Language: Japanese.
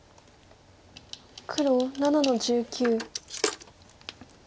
黒７の十九。